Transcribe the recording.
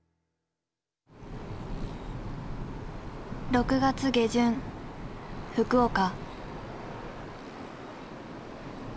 ６月下旬福岡。